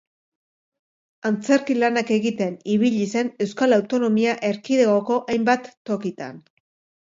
Antzerki-lanak egiten ibili zen Euskal Autonomia Erkidegoko hainbat tokitan.